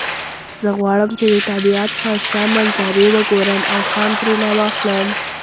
زه غواړم چې د طبیعت ښایسته منظری وګورم او خوند ترینه واخلم